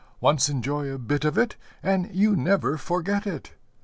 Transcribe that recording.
Once enjoy a bit of it and you never forget it.